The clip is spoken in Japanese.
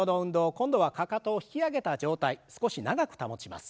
今度はかかとを引き上げた状態少し長く保ちます。